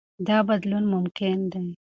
دا بدلون ممکن دی.